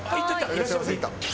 「いらっしゃいませ」